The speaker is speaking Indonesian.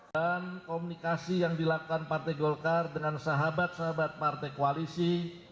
komunikasi yang dilakukan partai golkar dengan sahabat sahabat partai koalisi